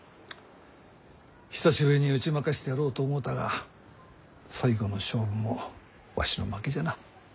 久しぶりに打ち負かしてやろうと思うたが最後の勝負もわしの負けじゃな。